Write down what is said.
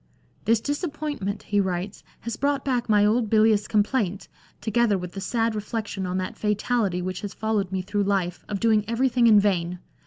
" This dis appointment," he writes, " has brought back my old bilious complaint, together with the sad reflection on that fatality which has followed me through life, of doing everythmg in vain.